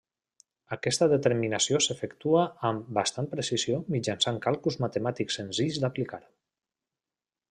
Aquesta determinació s'efectua amb bastant precisió mitjançant càlculs matemàtics senzills d'aplicar.